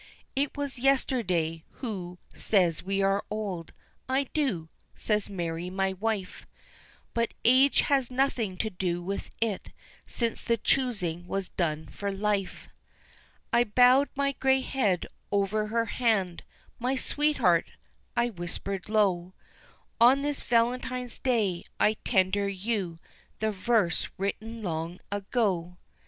It was yesterday, who says we are old? "I do," says Mary, my wife, "But age has nothing to do with it, since the choosing was done for life." I bowed my grey head over her hand, "my sweetheart," I whispered low, On this Valentine's day I tender you the verse written long ago.